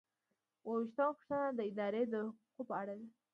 اووه ویشتمه پوښتنه د ادارې د حقوقو په اړه ده.